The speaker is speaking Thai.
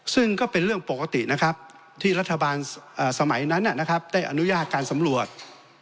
ซึ่งก็เป็นเรื่องปกตินะครับที่รัฐบาลสมัยนั้นได้อนุญาตการสำรวจ